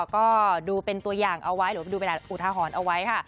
ก็ดูเป็นตัวอย่างเอาไว้หรือว่าดูเป็นอุทาหรณ์เอาไว้ค่ะ